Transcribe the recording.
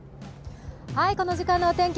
この時間のお天気